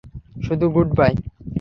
শুধু good by.